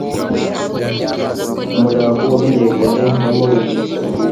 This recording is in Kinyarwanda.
Umurambo wamenyekanye na mole ku itama.